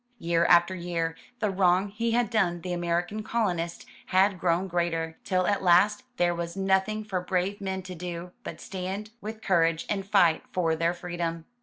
Year after year, the wrong he had done the American colonists had grown greater, till at last there was nothing for brave men to do, but stand with courage and fight for their freedom.